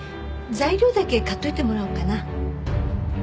材料だけ買っといてもらおうかな。